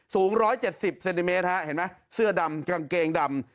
สูง๑๗๐เซนติเมตรฮะเห็นไหมเสื้อดำกางเกงดำ